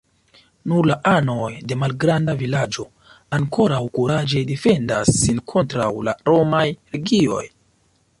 Nur la anoj de malgranda vilaĝo ankoraŭ kuraĝe defendas sin kontraŭ la romaj legioj.